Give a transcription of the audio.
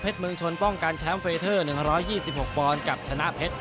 เมืองชนป้องกันแชมป์เฟรเทอร์๑๒๖ปอนด์กับชนะเพชร